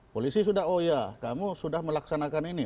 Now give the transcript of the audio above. polisi sudah oh iya kamu sudah melaksanakan ini